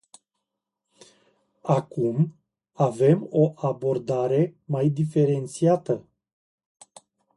Acum avem o abordare mai diferențiată.